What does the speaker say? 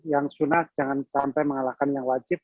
yang sunnah jangan sampai mengalahkan yang wajib